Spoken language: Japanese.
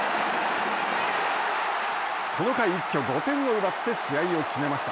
この回、一挙５点を奪って試合を決めました。